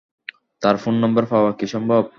তার phone number পাওয়া কি সম্ভব?